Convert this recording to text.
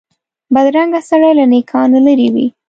بدرنګه سړی له نېکانو لرې وي